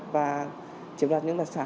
và chiếm rạt những đặc sản